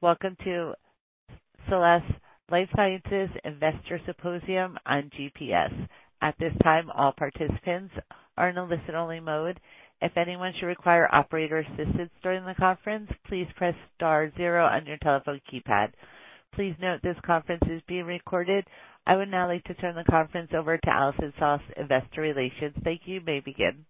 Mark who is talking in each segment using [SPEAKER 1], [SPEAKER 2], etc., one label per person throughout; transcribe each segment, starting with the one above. [SPEAKER 1] Welcome to SELLAS Life Sciences Investor Symposium on GPS. At this time, all participants are in a listen-only mode. If anyone should require operator assistance during the conference, please press star zero on your telephone keypad. Please note this conference is being recorded. I would now like to turn the conference over to Allison Soss, Investor Relations. Thank you. You may begin.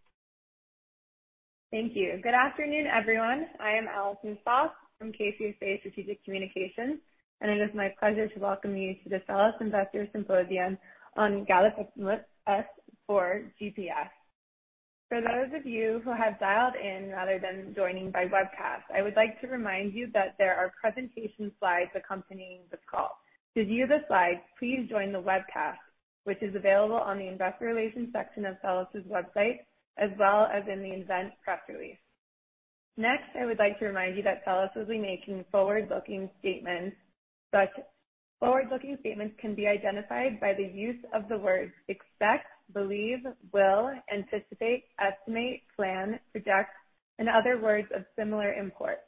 [SPEAKER 2] Thank you. Good afternoon, everyone. I am Allison Soss from KCSA Strategic Communications, and it is my pleasure to welcome you to the SELLAS Investors Symposium on galinpepimut-S or GPS. For those of you who have dialed in rather than joining by webcast, I would like to remind you that there are presentation slides accompanying this call. To view the slides, please join the webcast, which is available on the investor relations section of SELLAS' website as well as in the event press release. Next, I would like to remind you that SELLAS will be making forward-looking statements. Forward-looking statements can be identified by the use of the words expect, believe, will, anticipate, estimate, plan, project, and other words of similar import.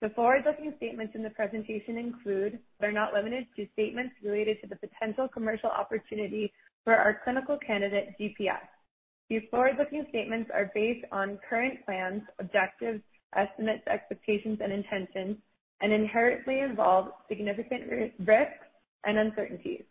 [SPEAKER 2] The forward-looking statements in the presentation include, but are not limited to, statements related to the potential commercial opportunity for our clinical candidate GPS. These forward-looking statements are based on current plans, objectives, estimates, expectations and intentions and inherently involve significant risks and uncertainties.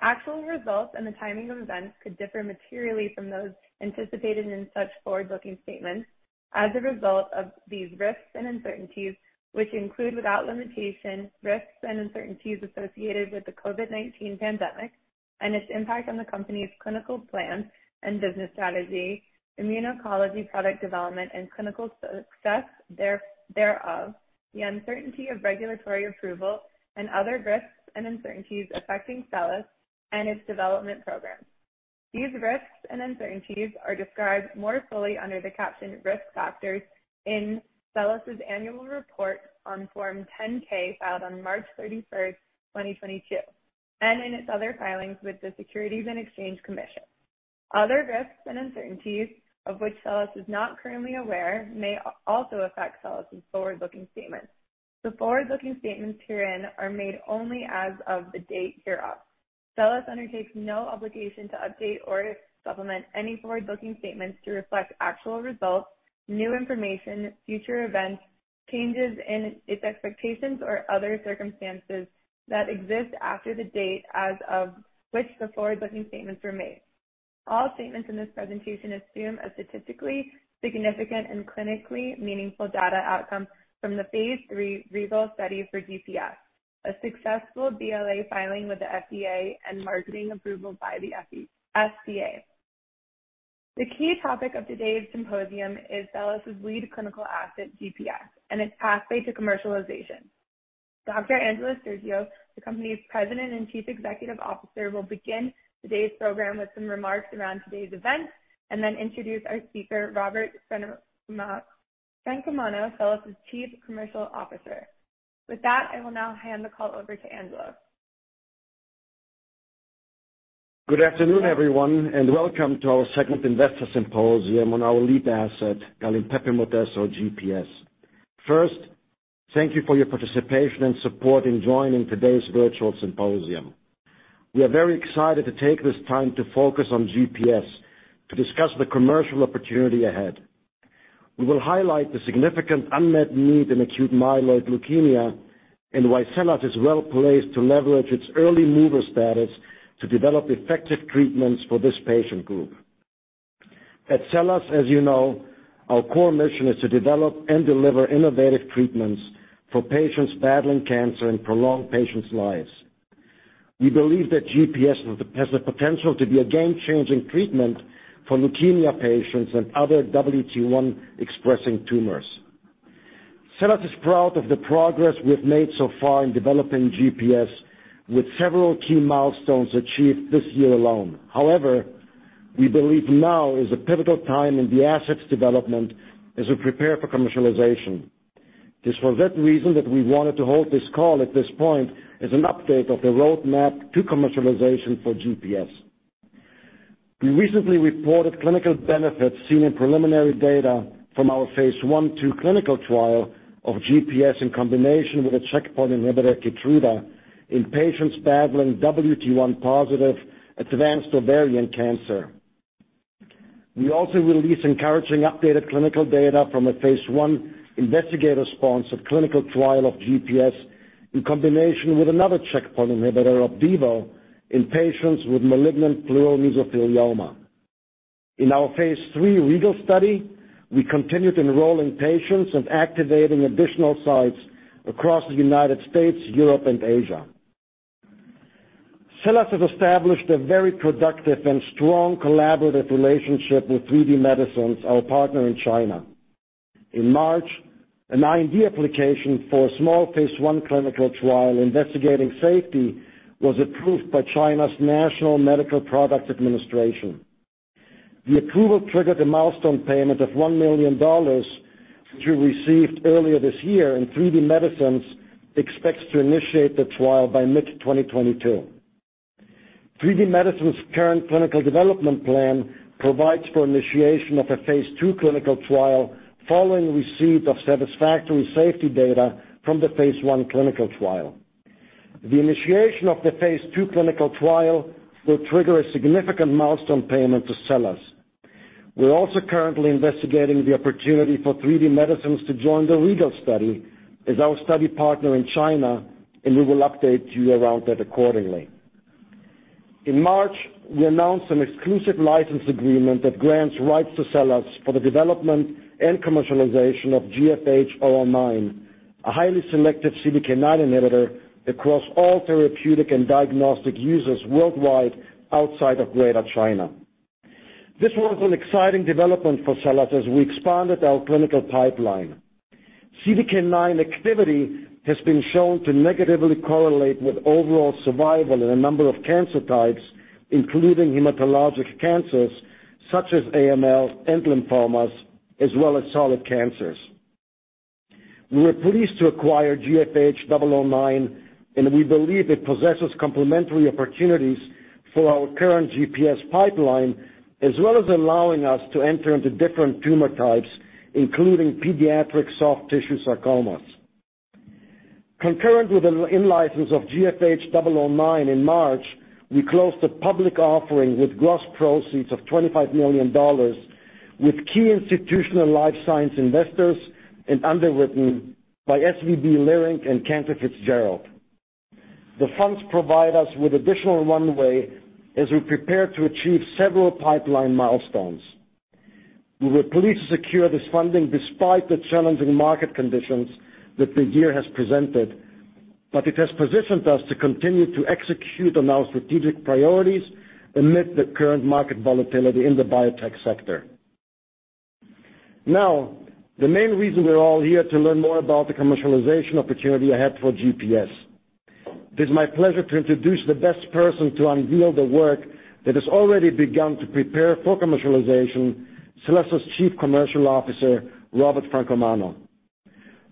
[SPEAKER 2] Actual results and the timing of events could differ materially from those anticipated in such forward-looking statements as a result of these risks and uncertainties, which include, without limitation, risks and uncertainties associated with the COVID-19 pandemic and its impact on the company's clinical plans and business strategy, immuno-oncology product development and clinical success thereof, the uncertainty of regulatory approval, and other risks and uncertainties affecting SELLAS and its development program. These risks and uncertainties are described more fully under the caption Risk Factors in SELLAS's Annual Report on Form 10-K, filed on March 31st, 2022, and in its other filings with the Securities and Exchange Commission. Other risks and uncertainties of which SELLAS is not currently aware may also affect SELLAS's forward-looking statements. The forward-looking statements herein are made only as of the date hereof. SELLAS undertakes no obligation to update or supplement any forward-looking statements to reflect actual results, new information, future events, changes in its expectations, or other circumstances that exist after the date as of which the forward-looking statements were made. All statements in this presentation assume a statistically significant and clinically meaningful data outcome from the phase III REGAL study for GPS, a successful BLA filing with the FDA and marketing approval by the FDA. The key topic of today's symposium is SELLAS' lead clinical asset, GPS, and its pathway to commercialization. Dr. Angelos Stergiou, the company's President and Chief Executive Officer, will begin today's program with some remarks around today's event and then introduce our speaker, Robert Francomano, SELLAS' Chief Commercial Officer. With that, I will now hand the call over to Angelos.
[SPEAKER 3] Good afternoon, everyone, and welcome to our second investor symposium on our lead asset, galinpepimut-S or GPS. First, thank you for your participation and support in joining today's virtual symposium. We are very excited to take this time to focus on GPS to discuss the commercial opportunity ahead. We will highlight the significant unmet need in acute myeloid leukemia and why SELLAS is well placed to leverage its early mover status to develop effective treatments for this patient group. At SELLAS, as you know, our core mission is to develop and deliver innovative treatments for patients battling cancer and prolong patients' lives. We believe that GPS has the potential to be a game-changing treatment for leukemia patients and other WT1 expressing tumors. SELLAS is proud of the progress we've made so far in developing GPS, with several key milestones achieved this year alone. However, we believe now is a pivotal time in the assets development as we prepare for commercialization. It is for that reason that we wanted to hold this call at this point as an update of the roadmap to commercialization for GPS. We recently reported clinical benefits seen in preliminary data from our phase I/II clinical trial of GPS in combination with a checkpoint inhibitor, Keytruda, in patients battling WT1-positive advanced ovarian cancer. We also released encouraging updated clinical data from a phase I investigator-sponsored clinical trial of GPS in combination with another checkpoint inhibitor, Opdivo, in patients with malignant pleural mesothelioma. In our phase III REGAL study, we continued enrolling patients and activating additional sites across the United States, Europe and Asia. SELLAS has established a very productive and strong collaborative relationship with 3D Medicines, our partner in China. In March, an IND application for a small phase I clinical trial investigating safety was approved by China's National Medical Products Administration. The approval triggered a milestone payment of $1 million, which we received earlier this year, and 3D Medicines expects to initiate the trial by mid-2022. 3D Medicines' current clinical development plan provides for initiation of a phase II clinical trial following receipt of satisfactory safety data from the phase I clinical trial. The initiation of the phase II clinical trial will trigger a significant milestone payment to SELLAS. We're also currently investigating the opportunity for 3D Medicines to join the REGAL study as our study partner in China, and we will update you around that accordingly. In March, we announced an exclusive license agreement that grants rights to SELLAS for the development and commercialization of GFH009, a highly selective CDK9 inhibitor across all therapeutic and diagnostic uses worldwide outside of Greater China. This was an exciting development for SELLAS as we expanded our clinical pipeline. CDK9 activity has been shown to negatively correlate with overall survival in a number of cancer types, including hematologic cancers such as AML and lymphomas, as well as solid cancers. We were pleased to acquire GFH009, and we believe it possesses complementary opportunities for our current GPS pipeline, as well as allowing us to enter into different tumor types, including pediatric soft tissue sarcomas. Concurrent with the in-license of GFH009 in March, we closed a public offering with gross proceeds of $25 million with key institutional life science investors and underwritten by SVB Leerink and Cantor Fitzgerald. The funds provide us with additional runway as we prepare to achieve several pipeline milestones. We were pleased to secure this funding despite the challenging market conditions that the year has presented. It has positioned us to continue to execute on our strategic priorities amid the current market volatility in the biotech sector. Now, the main reason we're all here to learn more about the commercialization opportunity ahead for GPS. It is my pleasure to introduce the best person to unveil the work that has already begun to prepare for commercialization, SELLAS's Chief Commercial Officer, Robert Francomano.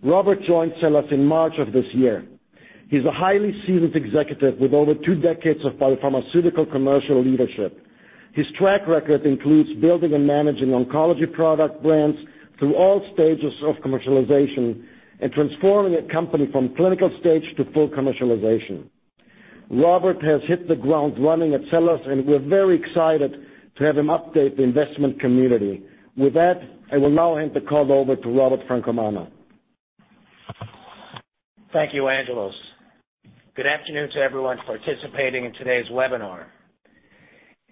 [SPEAKER 3] Robert joined SELLAS in March of this year. He's a highly seasoned executive with over two decades of biopharmaceutical commercial leadership. His track record includes building and managing oncology product brands through all stages of commercialization and transforming a company from clinical stage to full commercialization. Robert has hit the ground running at SELLAS, and we're very excited to have him update the investment community. With that, I will now hand the call over to Robert Francomano.
[SPEAKER 4] Thank you, Angelos. Good afternoon to everyone participating in today's webinar.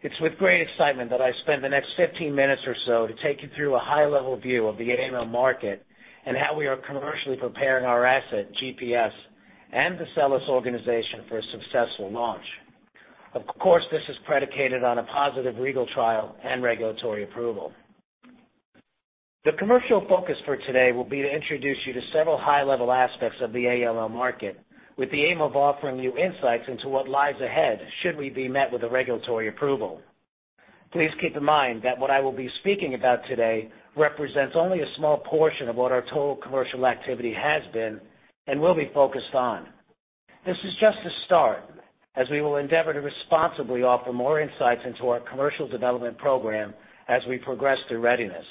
[SPEAKER 4] It's with great excitement that I spend the next 15 minutes or so to take you through a high-level view of the AML market and how we are commercially preparing our asset, GPS, and the SELLAS organization for a successful launch. Of course, this is predicated on a positive REGAL trial and regulatory approval. The commercial focus for today will be to introduce you to several high-level aspects of the AML market, with the aim of offering you insights into what lies ahead should we be met with a regulatory approval. Please keep in mind that what I will be speaking about today represents only a small portion of what our total commercial activity has been and will be focused on. This is just a start as we will endeavor to responsibly offer more insights into our commercial development program as we progress through readiness.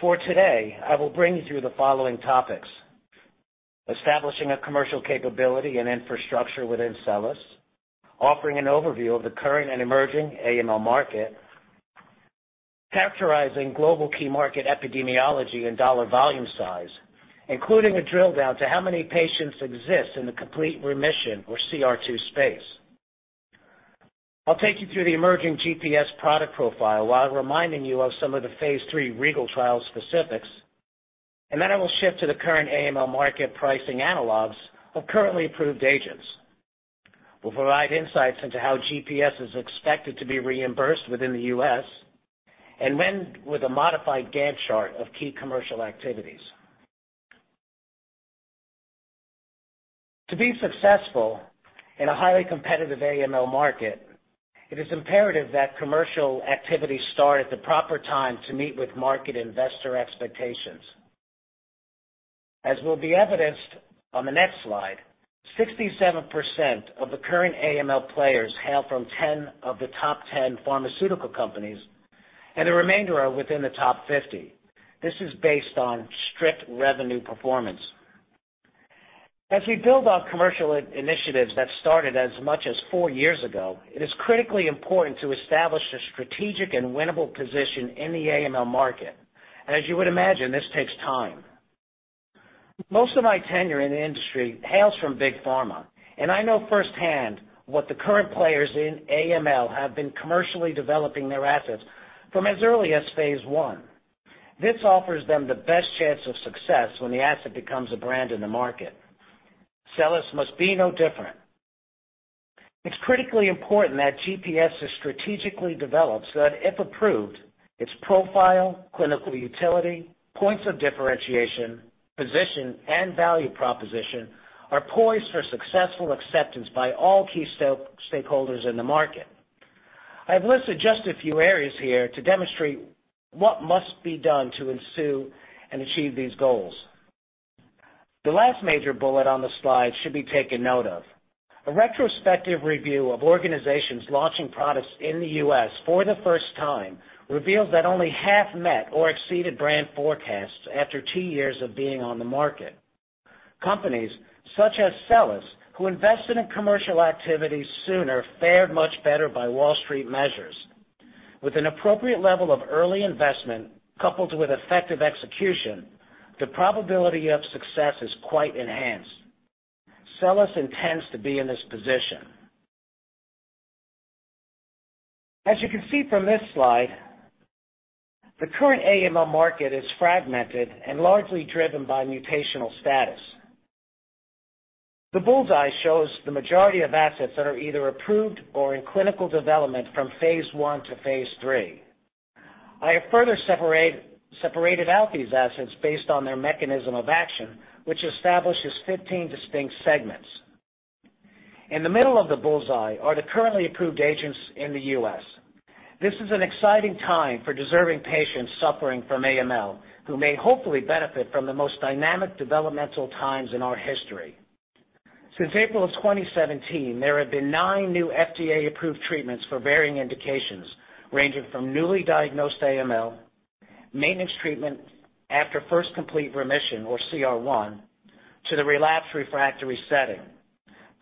[SPEAKER 4] For today, I will bring you through the following topics, establishing a commercial capability and infrastructure within SELLAS, offering an overview of the current and emerging AML market, characterizing global key market epidemiology and dollar volume size, including a drill down to how many patients exist in the complete remission or CR2 space. I'll take you through the emerging GPS product profile while reminding you of some of the phase III REGAL trial specifics, and then I will shift to the current AML market pricing analogs of currently approved agents. We'll provide insights into how GPS is expected to be reimbursed within the U.S. and when with a modified Gantt chart of key commercial activities. To be successful in a highly competitive AML market, it is imperative that commercial activity start at the proper time to meet with market investor expectations. As will be evidenced on the next slide, 67% of the current AML players hail from 10 of the top 10 pharmaceutical companies, and the remainder are within the top 50. This is based on strict revenue performance. As we build our commercial initiatives that started as much as four years ago, it is critically important to establish a strategic and winnable position in the AML market. As you would imagine, this takes time. Most of my tenure in the industry hails from Big Pharma, and I know firsthand what the current players in AML have been commercially developing their assets from as early as phase I. This offers them the best chance of success when the asset becomes a brand in the market. SELLAS must be no different. It's critically important that GPS is strategically developed so that if approved, its profile, clinical utility, points of differentiation, position, and value proposition are poised for successful acceptance by all key stakeholders in the market. I've listed just a few areas here to demonstrate what must be done to ensure and achieve these goals. The last major bullet on the slide should be taken note of. A retrospective review of organizations launching products in the U.S. for the first time reveals that only half met or exceeded brand forecasts after two years of being on the market. Companies such as SELLAS who invested in commercial activities sooner fared much better by Wall Street measures. With an appropriate level of early investment coupled with effective execution, the probability of success is quite enhanced. SELLAS intends to be in this position. As you can see from this slide, the current AML market is fragmented and largely driven by mutational status. The bull's-eye shows the majority of assets that are either approved or in clinical development from phase I to phase III. I have further separated out these assets based on their mechanism of action, which establishes 15 distinct segments. In the middle of the bull's eye are the currently approved agents in the U.S. This is an exciting time for deserving patients suffering from AML, who may hopefully benefit from the most dynamic developmental times in our history. Since April of 2017, there have been nine new FDA-approved treatments for varying indications, ranging from newly diagnosed AML, maintenance treatment after first complete remission or CR1, to the relapsed refractory setting.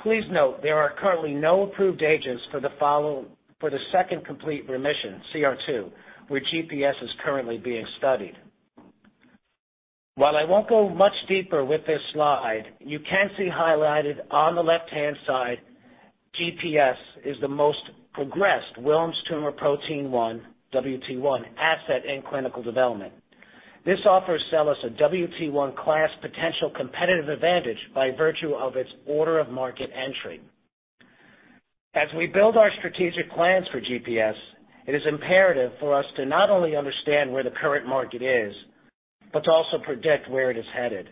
[SPEAKER 4] Please note there are currently no approved agents for the second complete remission, CR2, where GPS is currently being studied. While I won't go much deeper with this slide, you can see highlighted on the left-hand side, GPS is the most progressed Wilms tumor protein 1, WT1 asset in clinical development. This offers SELLAS a WT1 class potential competitive advantage by virtue of its order of market entry. As we build our strategic plans for GPS, it is imperative for us to not only understand where the current market is, but to also predict where it is headed.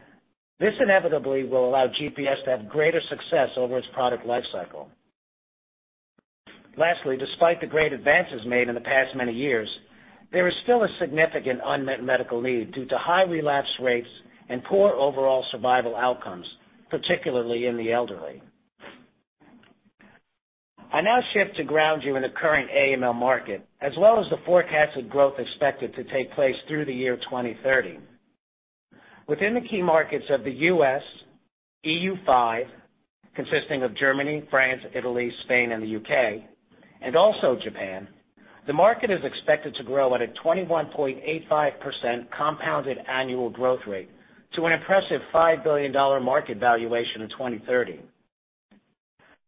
[SPEAKER 4] This inevitably will allow GPS to have greater success over its product life cycle. Lastly, despite the great advances made in the past many years, there is still a significant unmet medical need due to high relapse rates and poor overall survival outcomes, particularly in the elderly. I now shift to ground you in the current AML market, as well as the forecasted growth expected to take place through the year 2030. Within the key markets of the U.S., EU5, consisting of Germany, France, Italy, Spain, and the U.K., and also Japan, the market is expected to grow at a 21.85% compounded annual growth rate to an impressive $5 billion market valuation in 2030.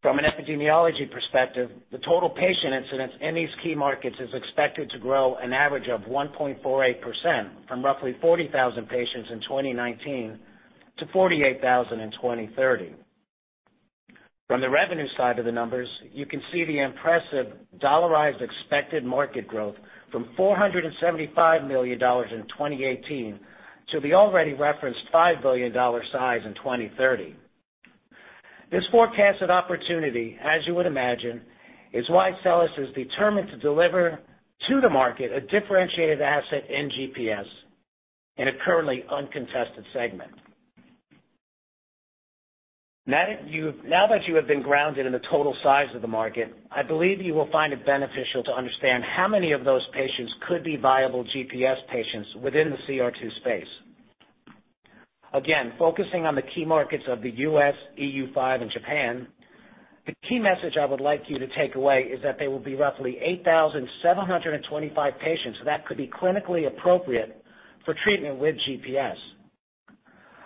[SPEAKER 4] From an epidemiology perspective, the total patient incidences in these key markets is expected to grow an average of 1.48% from roughly 40,000 patients in 2019 to 48,000 in 2030. From the revenue side of the numbers, you can see the impressive dollarized expected market growth from $475 million in 2018 to the already referenced $5 billion size in 2030. This forecasted opportunity, as you would imagine, is why SELLAS is determined to deliver to the market a differentiated asset in GPS in a currently uncontested segment. Now that you have been grounded in the total size of the market, I believe you will find it beneficial to understand how many of those patients could be viable GPS patients within the CR2 space. Again, focusing on the key markets of the U.S., EU5, and Japan, the key message I would like you to take away is that there will be roughly 8,725 patients that could be clinically appropriate for treatment with GPS.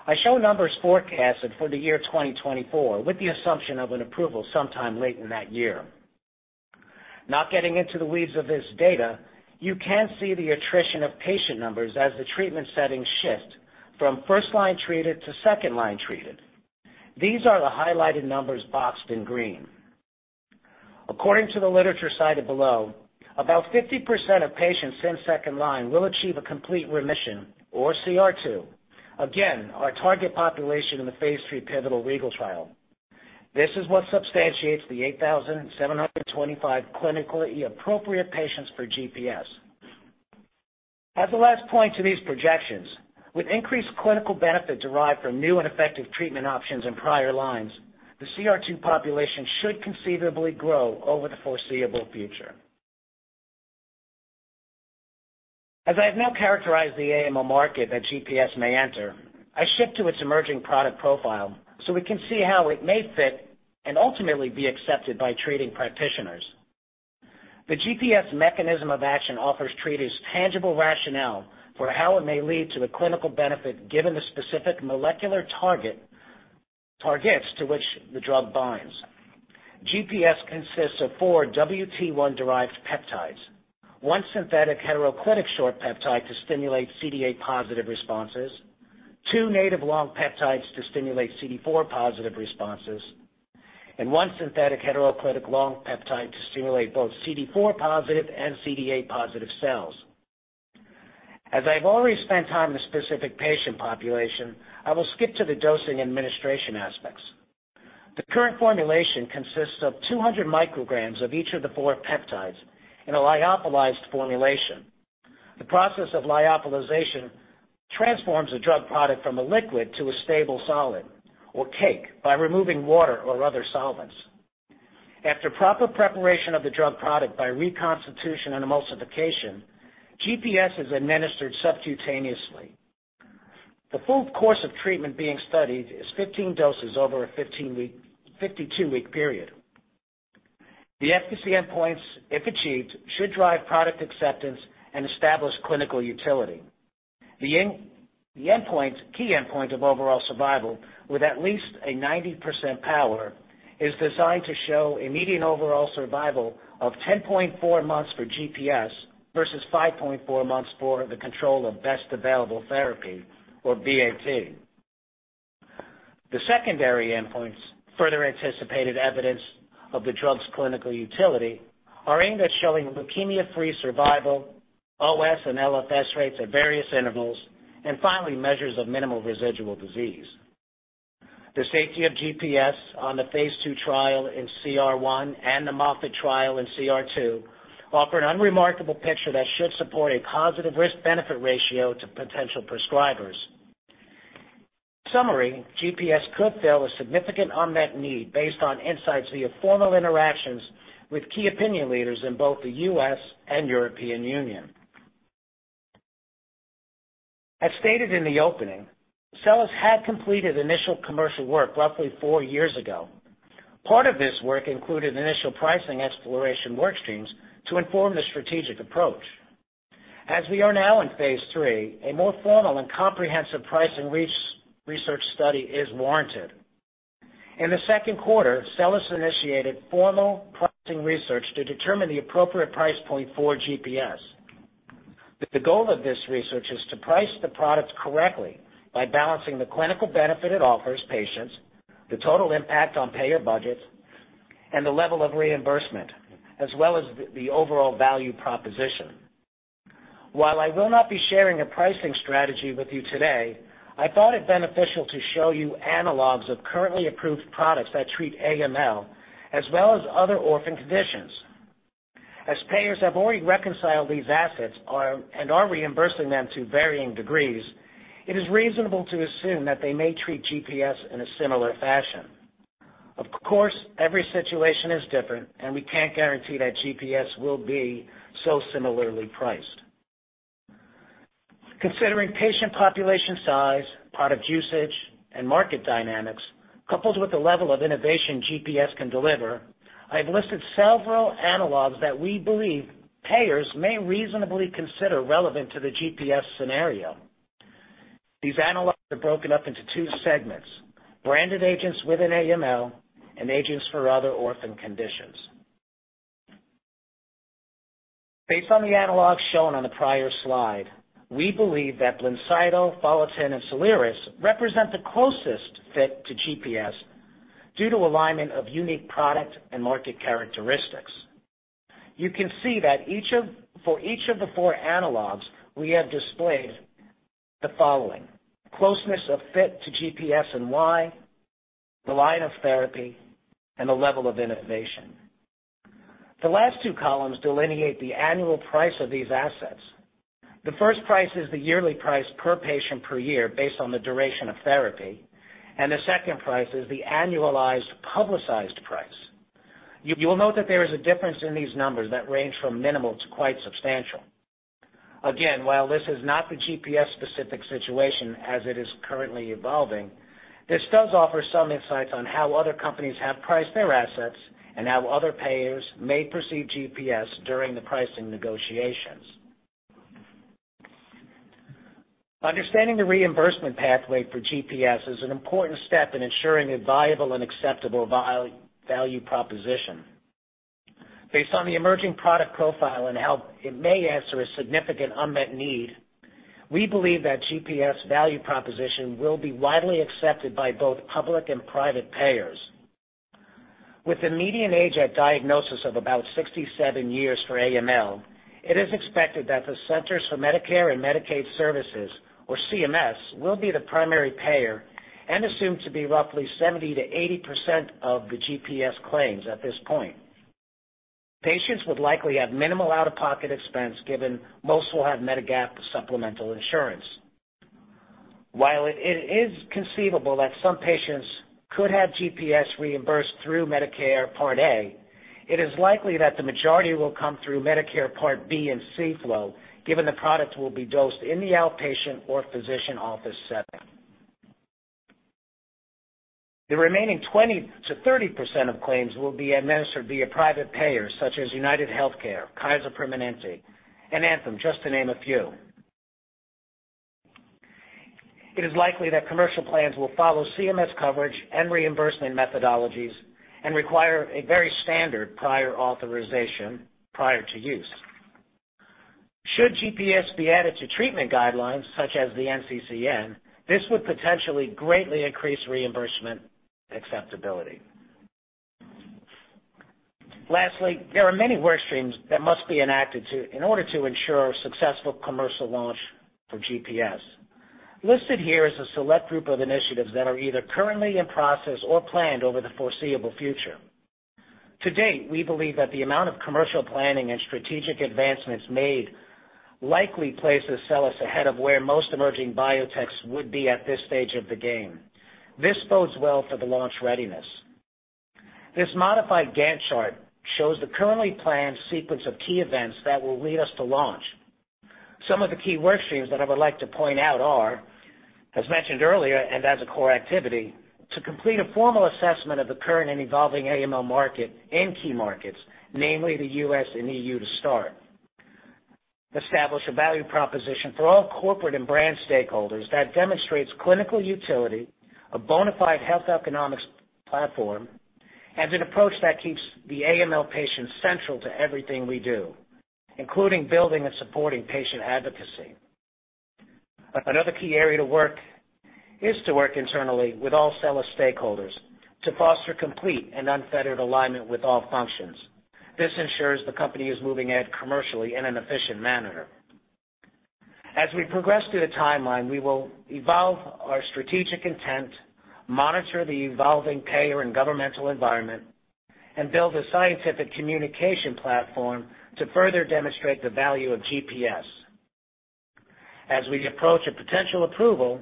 [SPEAKER 4] I show numbers forecasted for the year 2024, with the assumption of an approval sometime late in that year. Not getting into the weeds of this data, you can see the attrition of patient numbers as the treatment settings shift from first-line treated to second-line treated. These are the highlighted numbers boxed in green. According to the literature cited below, about 50% of patients in second line will achieve a complete remission or CR2. Again, our target population in the phase III pivotal REGAL trial. This is what substantiates the 8,725 clinically appropriate patients for GPS. As a last point to these projections, with increased clinical benefit derived from new and effective treatment options in prior lines, the CR2 population should conceivably grow over the foreseeable future. As I have now characterized the AML market that GPS may enter, I shift to its emerging product profile so we can see how it may fit and ultimately be accepted by treating practitioners. The GPS mechanism of action offers treaters tangible rationale for how it may lead to a clinical benefit given the specific molecular targets to which the drug binds. GPS consists of four WT1-derived peptides, one synthetic heteroclitic short peptide to stimulate CD8-positive responses, two native long peptides to stimulate CD4-positive responses, and one synthetic heteroclitic long peptide to stimulate both CD4-positive and CD8-positive cells. As I've already spent time on the specific patient population, I will skip to the dosing administration aspects. The current formulation consists of 200 micrograms of each of the four peptides in a lyophilized formulation. The process of lyophilization transforms a drug product from a liquid to a stable solid or cake by removing water or other solvents. After proper preparation of the drug product by reconstitution and emulsification, GPS is administered subcutaneously. The full course of treatment being studied is 15 doses over a 52-week period. The efficacy endpoints, if achieved, should drive product acceptance and establish clinical utility. The endpoint, key endpoint of overall survival with at least a 90% power, is designed to show a median overall survival of 10.4 months for GPS versus 5.4 months for the control of best available therapy, or BAT. The secondary endpoints, further anticipated evidence of the drug's clinical utility, are aimed at showing leukemia-free survival, OS, and LFS rates at various intervals, and finally, measures of minimal residual disease. The safety of GPS in the phase II trial in CR1 and the Moffitt trial in CR2 offers an unremarkable picture that should support a positive risk-benefit ratio to potential prescribers. In summary, GPS could fill a significant unmet need based on insights via formal interactions with key opinion leaders in both the U.S. and European Union. As stated in the opening, SELLAS had completed initial commercial work roughly four years ago. Part of this work included initial pricing exploration workstreams to inform the strategic approach. As we are now in phase III, a more formal and comprehensive price and reach research study is warranted. In the second quarter, SELLAS initiated formal pricing research to determine the appropriate price point for GPS. The goal of this research is to price the products correctly by balancing the clinical benefit it offers patients, the total impact on payer budgets, and the level of reimbursement, as well as the overall value proposition. While I will not be sharing a pricing strategy with you today, I thought it beneficial to show you analogs of currently approved products that treat AML, as well as other orphan conditions. As payers have already reconciled these assets and are reimbursing them to varying degrees, it is reasonable to assume that they may treat GPS in a similar fashion. Of course, every situation is different, and we can't guarantee that GPS will be so similarly priced. Considering patient population size, product usage, and market dynamics, coupled with the level of innovation GPS can deliver, I have listed several analogs that we believe payers may reasonably consider relevant to the GPS scenario. These analogs are broken up into two segments, branded agents within AML and agents for other orphan conditions. Based on the analogs shown on the prior slide, we believe that BLINCYTO, FOLOTYN, and SOLIRIS represent the closest fit to GPS due to alignment of unique product and market characteristics. For each of the four analogs, we have displayed the following, closeness of fit to GPS and why, the line of therapy, and the level of innovation. The last two columns delineate the annual price of these assets. The first price is the yearly price per patient per year based on the duration of therapy, and the second price is the annualized publicized price. You will note that there is a difference in these numbers that range from minimal to quite substantial. Again, while this is not the GPS specific situation as it is currently evolving, this does offer some insights on how other companies have priced their assets and how other payers may perceive GPS during the pricing negotiations. Understanding the reimbursement pathway for GPS is an important step in ensuring a viable and acceptable value proposition. Based on the emerging product profile and how it may answer a significant unmet need, we believe that GPS value proposition will be widely accepted by both public and private payers. With the median age at diagnosis of about 67 years for AML, it is expected that the Centers for Medicare & Medicaid Services, or CMS, will be the primary payer and assumed to be roughly 70%-80% of the GPS claims at this point. Patients would likely have minimal out-of-pocket expense, given most will have Medigap supplemental insurance. While it is conceivable that some patients could have GPS reimbursed through Medicare Part A, it is likely that the majority will come through Medicare Part B and C flow, given the product will be dosed in the outpatient or physician office setting. The remaining 20%-30% of claims will be administered via private payers such as UnitedHealthcare, Kaiser Permanente, and Anthem, just to name a few. It is likely that commercial plans will follow CMS coverage and reimbursement methodologies and require a very standard prior authorization prior to use. Should GPS be added to treatment guidelines such as the NCCN, this would potentially greatly increase reimbursement acceptability. Lastly, there are many work streams that must be enacted in order to ensure successful commercial launch for GPS. Listed here is a select group of initiatives that are either currently in process or planned over the foreseeable future. To-date, we believe that the amount of commercial planning and strategic advancements made likely places SELLAS ahead of where most emerging biotechs would be at this stage of the game. This bodes well for the launch readiness. This modified Gantt chart shows the currently planned sequence of key events that will lead us to launch. Some of the key work streams that I would like to point out are, as mentioned earlier and as a core activity, to complete a formal assessment of the current and evolving AML market in key markets, namely the U.S. and E.U. to start. Establish a value proposition for all corporate and brand stakeholders that demonstrates clinical utility, a bona fide health economics platform, and an approach that keeps the AML patient central to everything we do, including building and supporting patient advocacy. Another key area to work is internally with all SELLAS stakeholders to foster complete and unfettered alignment with all functions. This ensures the company is moving ahead commercially in an efficient manner. As we progress through the timeline, we will evolve our strategic intent, monitor the evolving payer and governmental environment, and build a scientific communication platform to further demonstrate the value of GPS. As we approach a potential approval,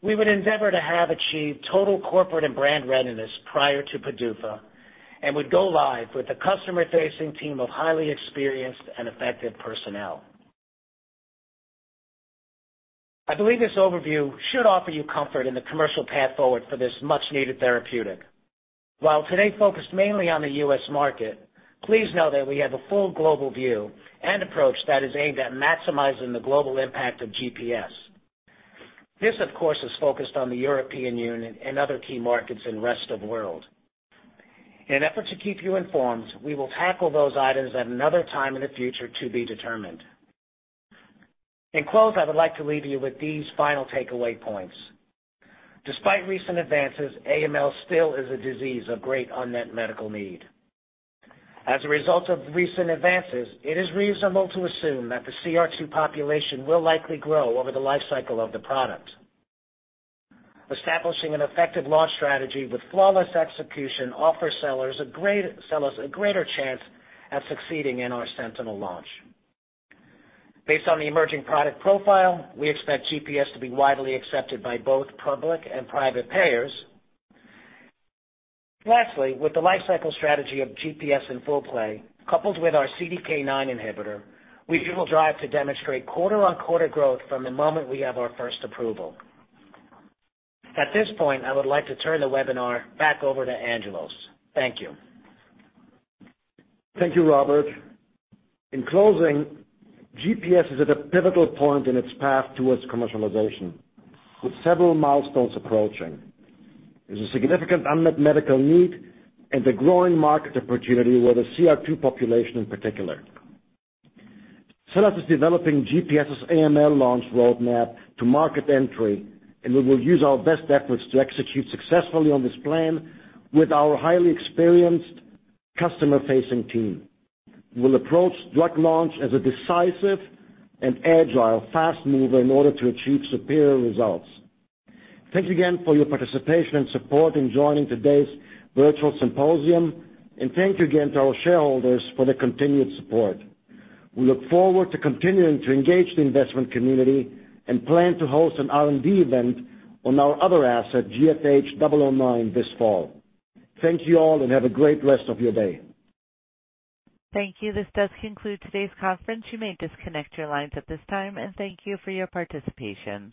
[SPEAKER 4] we would endeavor to have achieved total corporate and brand readiness prior to PDUFA and would go live with a customer-facing team of highly experienced and effective personnel. I believe this overview should offer you comfort in the commercial path forward for this much needed therapeutic. While today focused mainly on the U.S. market, please know that we have a full global view and approach that is aimed at maximizing the global impact of GPS. This, of course, is focused on the European Union and other key markets in rest of world. In an effort to keep you informed, we will tackle those items at another time in the future to be determined. In close, I would like to leave you with these final takeaway points. Despite recent advances, AML still is a disease of great unmet medical need. As a result of recent advances, it is reasonable to assume that the CR2 population will likely grow over the life cycle of the product. Establishing an effective launch strategy with flawless execution offers SELLAS a greater chance at succeeding in our Sentinel launch. Based on the emerging product profile, we expect GPS to be widely accepted by both public and private payers. Lastly, with the life cycle strategy of GPS in full play, coupled with our CDK9 inhibitor, we will drive to demonstrate quarter-on-quarter growth from the moment we have our first approval. At this point, I would like to turn the webinar back over to Angelos. Thank you.
[SPEAKER 3] Thank you, Robert. In closing, GPS is at a pivotal point in its path towards commercialization, with several milestones approaching. There's a significant unmet medical need and a growing market opportunity with the CR2 population in particular. SELLAS is developing GPS' AML launch roadmap to market entry, and we will use our best efforts to execute successfully on this plan with our highly experienced customer-facing team. We'll approach drug launch as a decisive and agile fast mover in order to achieve superior results. Thanks again for your participation and support in joining today's virtual symposium, and thank you again to our shareholders for their continued support. We look forward to continuing to engage the investment community and plan to host an R&D event on our other asset, GFH009, this fall. Thank you all, and have a great rest of your day.
[SPEAKER 1] Thank you. This does conclude today's conference. You may disconnect your lines at this time, and thank you for your participation.